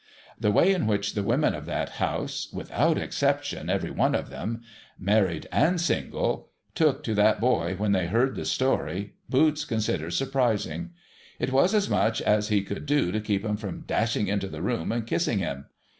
The way in which the women of that house — without exception — every one of 'em — married and single — took to that boy when they heard the story. Boots considers surprising. It was as much as he could do to keep 'em from dashing into the room and kissing him.